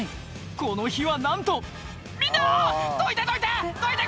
この日はなんと「みんな！どいてどいて！